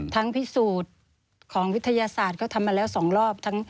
พิสูจน์ของวิทยาศาสตร์ก็ทำมาแล้ว๒รอบ